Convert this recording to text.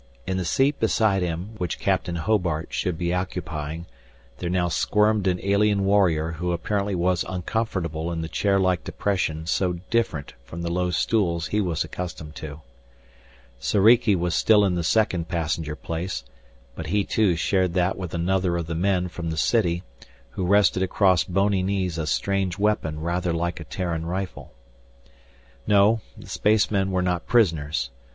In the seat beside him, which Captain Hobart should be occupying, there now squirmed an alien warrior who apparently was uncomfortable in the chair like depression so different from the low stools he was accustomed to. Soriki was still in the second passenger place, but he, too, shared that with another of the men from the city who rested across bony knees a strange weapon rather like a Terran rifle. No, the spacemen were not prisoners.